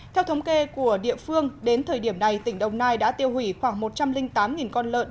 theo thống kê của địa phương đến thời điểm này tỉnh đồng nai đã tiêu hủy khoảng một trăm linh tám con lợn